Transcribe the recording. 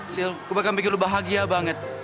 sil gua bakal mikir lu bahagia banget